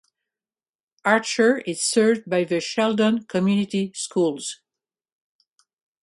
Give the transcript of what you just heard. Archer is served by the Sheldon Community Schools.